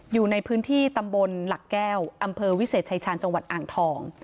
อยู่ในพื้นที่ตำบลหลักแก้วอำเภอวิเศษชายชาญจังหวัดอ่างทอง